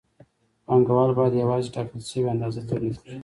پانګوال باید یوازې ټاکل شوې اندازه تولید کړي